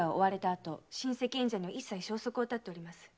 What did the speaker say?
あと親戚縁者に一切消息を絶っております。